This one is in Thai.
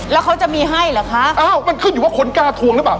แล้วเขาจะมีให้เหรอคะอ้าวมันขึ้นอยู่ว่าคนกล้าทวงหรือเปล่า